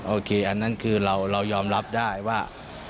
อันนั้นคือเรายอมรับได้ว่า